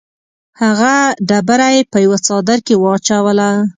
هغه ډبره یې په یوه څادر کې واچوله.